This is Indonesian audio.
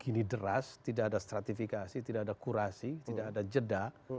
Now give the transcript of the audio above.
ini deras tidak ada stratifikasi tidak ada kurasi tidak ada jeda